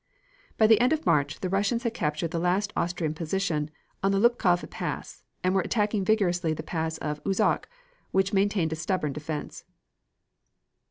By the end of March the Russians had captured the last Austrian position on the Lupkow pass and were attacking vigorously the pass of Uzzok, which maintained a stubborn defense.